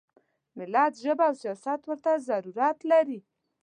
ملت ژبه او سیاست ورته ضرورت لري.